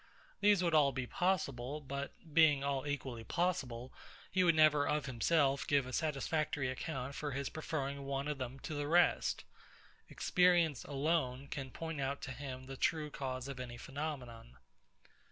These would all be possible; but being all equally possible, he would never of himself give a satisfactory account for his preferring one of them to the rest. Experience alone can point out to him the true cause of any phenomenon.